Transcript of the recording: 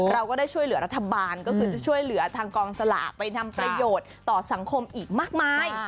เราก็ได้ช่วยเหลือรัฐบาลก็คือจะช่วยเหลือทางกองสลากไปทำประโยชน์ต่อสังคมอีกมากมาย